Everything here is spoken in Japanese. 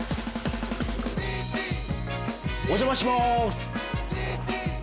お邪魔します。